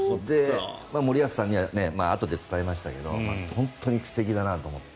森保さんにはあとで伝えましたけど本当に素敵だなと思って。